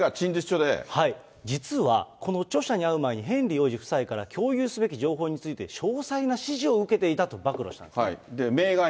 実は、この著者に会う前にヘンリー王子夫妻から共有すべき情報について、詳細な指示を受けていたと暴露しました。